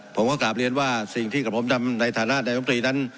ผมก็กลับเรียนว่าสิ่งที่กับผมทำในฐานะนายมตรีนั้น